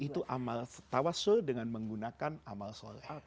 itu amal tawassul dengan menggunakan amal soleh